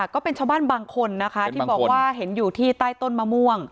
ก็เป็นชาวบ้านบางคนนะคะที่บอกว่าเห็นอยู่ที่ใต้ต้นมะม่วง